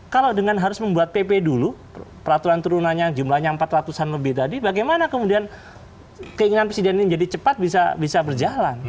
kalau dengan harus membuat pp dulu peraturan turunannya jumlahnya empat ratus an lebih tadi bagaimana kemudian keinginan presiden ini jadi cepat bisa berjalan